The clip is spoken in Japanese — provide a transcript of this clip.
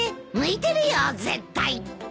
向いてるよ絶対。